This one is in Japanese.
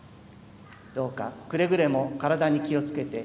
どうかくれぐれも体に気を付けて